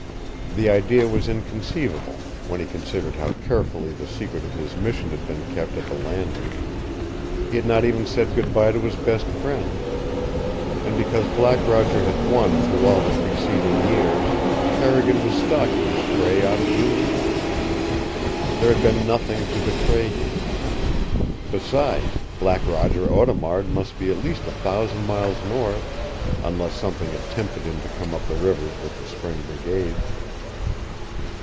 The idea was inconceivable, when he considered how carefully the secret of his mission had been kept at the Landing. He had not even said goodby to his best friends. And because Black Roger had won through all the preceding years, Carrigan was stalking his prey out of uniform. There had been nothing to betray him. Besides, Black Roger Audemard must be at least a thousand miles north, unless something had tempted him to come up the rivers with the spring brigades.